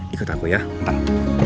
ikut aku ya bentar